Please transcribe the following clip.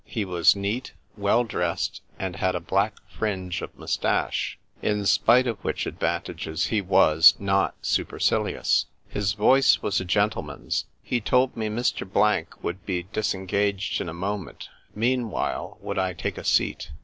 He was neat, well dressed, and had a black fringe of mous tache ; in spite of which advantages he was not supercilious. His voice was a gentle man's. He told me Mr. Blank would be dis engaged in a moment; meanwhile, would I take a seat